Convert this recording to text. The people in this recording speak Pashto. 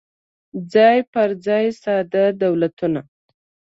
څای پر ځای ساده دولتونه